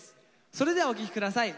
それではお聴き下さい。